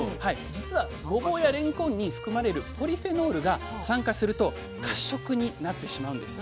実はごぼうやれんこんに含まれるポリフェノールが酸化すると褐色になってしまうんです。